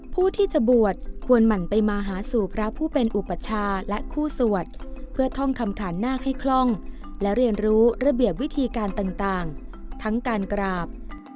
ผู้ที่จะบวชควรหมั่นไปมาหาสู่พระผู้เป็นอุปชาและคู่สวดเพื่อท่องคำขานนาคให้คล่องและเรียนรู้ระเบียบวิธีการต่างทั้งการกราบ